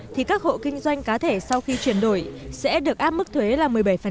thì các hộ kinh doanh cá thể sau khi chuyển đổi sẽ được áp mức thuế là một mươi bảy